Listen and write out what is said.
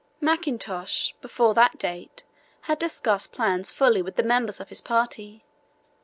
Mackintosh, before that date, had discussed plans fully with the members of his party.